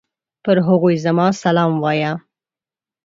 پر هغوی زما سلام وايه!